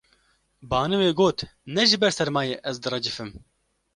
Baniwê got: Ne ji ber sermayê ez direcifim